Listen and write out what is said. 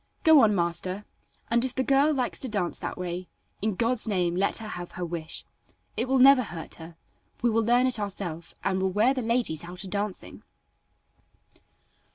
"Go on master, and if the girl likes to dance that way, in God's name let her have her wish. It will never hurt her; we will learn it ourself, and will wear the ladies out a dancing."